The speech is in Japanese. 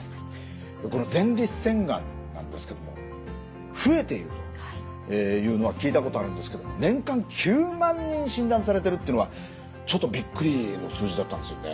この前立腺がんなんですけれども増えているというのは聞いたことあるんですけど年間９万人診断されてるっていうのはちょっとびっくりの数字だったんですよね。